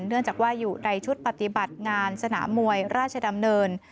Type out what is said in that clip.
เนื่องจากว่าอยู่ในชุดปฏิบัติงานสนามมวยราชดำเนิน